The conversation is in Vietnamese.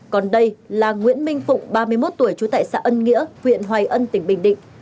còn đây là nguyễn minh phụng ba mươi một tuổi trú tại xã ân nghĩa huyện hoài ân tỉnh bình định